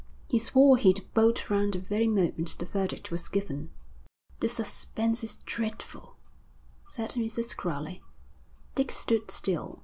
He swore he'd bolt round the very moment the verdict was given.' 'The suspense is dreadful,' said Mrs. Crowley. Dick stood still.